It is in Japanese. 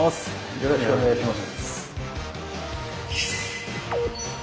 よろしくお願いします。